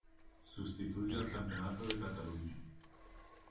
Sustituye al campeonato de Cataluña.